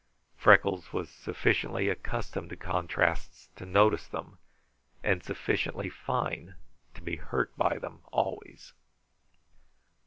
Freckles was sufficiently accustomed to contrasts to notice them, and sufficiently fine to be hurt by them always.